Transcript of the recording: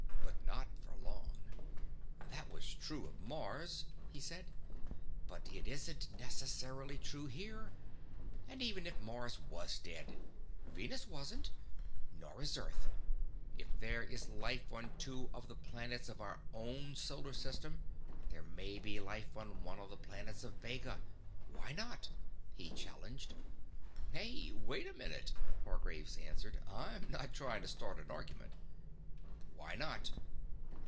But not for long. "That was true of Mars," he said. "But it isn't necessarily true here. And even if Mars was dead, Venus wasn't. Nor is Earth. If there is life on two of the planets of our own solar system, there may be life on one of the planets of Vega. Why not?" he challenged. "Hey, wait a minute," Hargraves answered. "I'm not trying to start an argument." "Why not?"